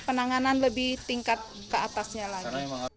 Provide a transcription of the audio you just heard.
penanganan lebih tingkat ke atasnya lagi